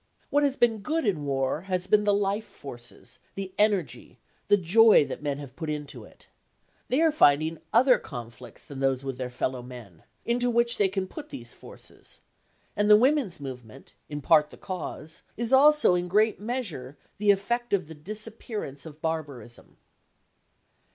What has been good in war has been the life forces, the energy, the joy that men have put into it. They are finding other conflicts than those with their fellow men, into which they can put these forces, and the women's movement, in part the cause, is also in great measure the effect of the disappearance of barbarism.